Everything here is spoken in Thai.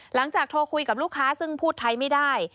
หลังจากโทรคุยกับลูกค้าซึ่งพูดไทยไม่ได้